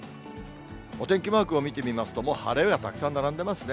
お天気マークを見てみますと、もう晴れがたくさん並んでますね。